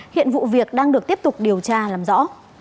hiện vụ việc đang được tiếp tục điều tra làm rõ